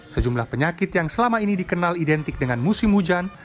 sejumlah penyakit yang selama ini dikenal identik dengan musim hujan